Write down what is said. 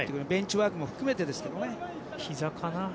ベンチワークも含めてですけど。